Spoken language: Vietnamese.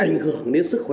ảnh hưởng đến sức khỏe